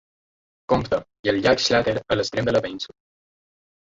Compte, i el llac Schlatter a l'extrem de la península.